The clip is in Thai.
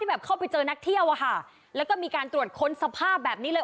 แบบเข้าไปเจอนักเที่ยวอะค่ะแล้วก็มีการตรวจค้นสภาพแบบนี้เลย